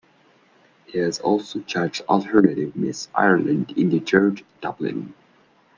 He has also judged Alternative Miss Ireland in The George, Dublin.